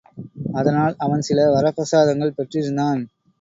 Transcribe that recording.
அதனால் அவன் சில வரப்பிரசாதங்கள் பெற்றிருந்தான்.